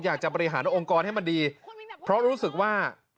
อยากจะบริหารองค์กรให้มันดีเพราะรู้สึกว่า